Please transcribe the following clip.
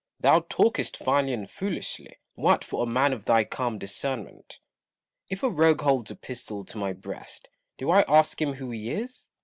Thou talkost finely and foolishly, Wat, for a man of thy calm discern ment. If a rogue holds a pistol to my breast, do I ask him who he is